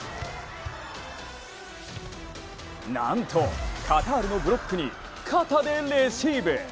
なんとカタールのブロックに肩でレシーブ。